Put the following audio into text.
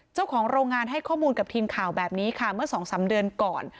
เจ้าของโรงงานให้ข้อมูลกับทีมข่าวแบบนี้ค่ะเมื่อ๒๓เดือนก่อน